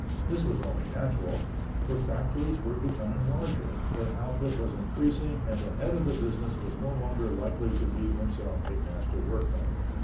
This was only natural, for factories were becoming larger, their output was increasing and the head of the business was no longer likely to be himself a master workman.